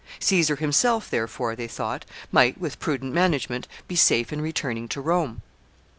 Caesar himself, therefore, they thought, might, with prudent management, be safe in returning to Rome.